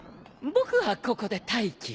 僕はここで待機。